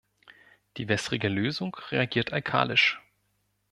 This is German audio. Die wässrige Lösung reagiert alkalisch.